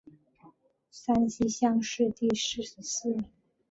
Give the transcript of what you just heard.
山西乡试第四十四名。